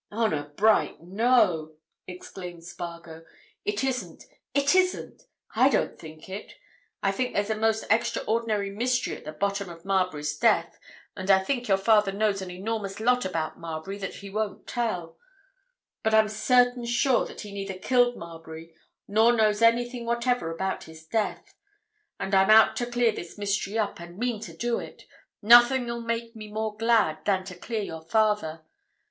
"Honour bright, no!" exclaimed Spargo. "It isn't—it isn't! I don't think it. I think there's a most extraordinary mystery at the bottom of Marbury's death, and I think your father knows an enormous lot about Marbury that he won't tell, but I'm certain sure that he neither killed Marbury nor knows anything whatever about his death. And as I'm out to clear this mystery up, and mean to do it, nothing'll make me more glad than to clear your father.